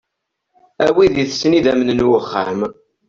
A wid itessen idamen n wuxxam.